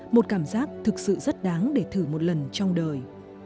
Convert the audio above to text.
một cảm giác thực sự rất đáng để thử một lần trong đời